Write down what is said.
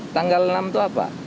tanggal enam itu apa